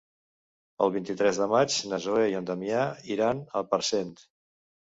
El vint-i-tres de maig na Zoè i en Damià iran a Parcent.